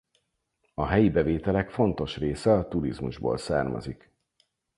A helyi bevételek fontos része a turizmusból származik.